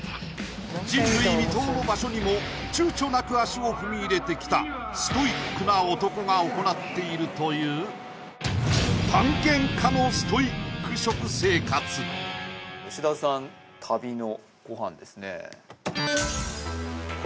人類未踏の場所にも躊躇なく足を踏み入れてきたストイックな男が行っているという吉田さん旅のご飯ですねえ